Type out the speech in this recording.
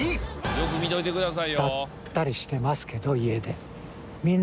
よく見ておいてくださいよ。